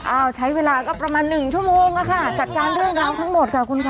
ใช้เวลาก็ประมาณหนึ่งชั่วโมงค่ะจัดการเรื่องราวทั้งหมดค่ะคุณค่ะ